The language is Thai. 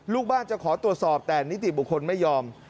ลูกบ้านจะขอตรวจสอบแต่นิติบุคคลไม่ยอม